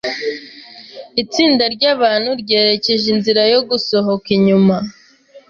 Itsinda ryabantu ryerekeje inzira yo gusohoka inyuma.